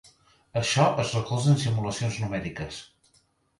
Això es recolza en simulacions numèriques.